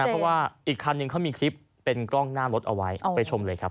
เพราะว่าอีกคันหนึ่งเขามีคลิปเป็นกล้องหน้ารถเอาไว้เอาไปชมเลยครับ